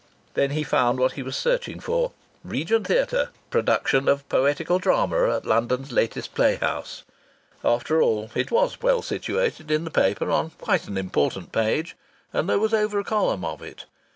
Then he found what he was searching for: "Regent Theatre. Production of poetical drama at London's latest playhouse." After all, it was well situated in the paper, on quite an important page, and there was over a column of it.